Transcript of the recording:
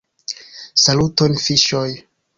Saluton fiŝoj